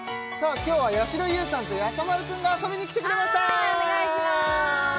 今日はやしろ優さんとやさ丸くんが遊びにきてくれましたお願いします